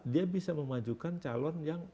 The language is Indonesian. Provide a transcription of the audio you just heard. dia bisa memajukan calon yang